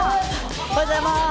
おはようございます。